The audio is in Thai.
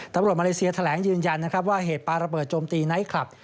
ตำรวจมาเลเซียแถลงยืนยันนะครับว่าเหตุปลาระเบิดโจมตีไนท์คลับ